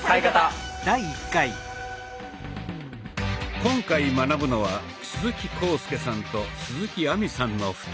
今回学ぶのは鈴木浩介さんと鈴木亜美さんの２人。